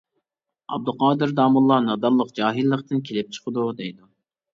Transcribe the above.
ئابدۇقادىر داموللا «نادانلىق جاھىللىقتىن كېلىپ چىقىدۇ. » دەيدۇ.